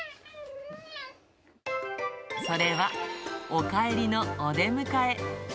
それは、おかえりのお出迎え。